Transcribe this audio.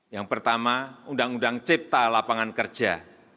yang pertama undang undang cipta lapangan kerja